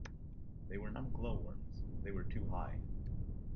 They were not glow-worms; they were too high.